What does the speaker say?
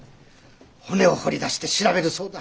骨を掘り出して調べるそうだ。